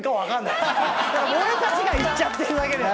俺たちがいっちゃってるだけで。